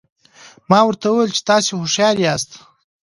ما ورته وویل چې تاسي هوښیار یاست.